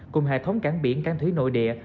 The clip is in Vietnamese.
cùng hệ thống cảng biển cảng thủy nội địa